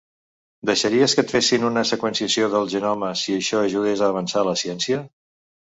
Deixaries que et fessin una seqüenciació del genoma si això ajudés a avançar la ciència?